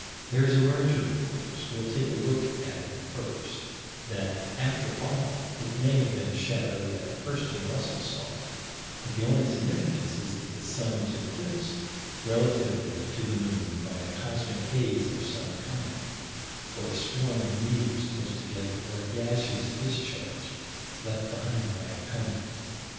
There is a merger, of course. We'll take a look at it first that, after all, it may have been a shadow that Hirst and Russell saw, but the only significance is that the sun was eclipsed relatively to the moon by a cosmic haze of some kind, or a swarm of meteors close together, or a gaseous discharge left behind by a comet.